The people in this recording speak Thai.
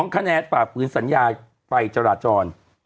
๒คะแนนปราบพื้นสัญญาไปจราจร